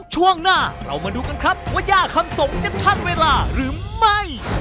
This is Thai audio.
ช่วงหน้าเรามาดูกันครับว่าย่าคำสงฆ์จะทันเวลาหรือไม่